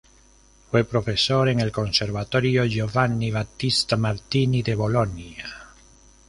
Fue profesor en el Conservatorio Giovanni Battista Martini de Bolonia.